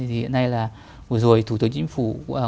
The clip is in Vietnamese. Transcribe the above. hiện nay là vừa rồi thủ tướng chính phủ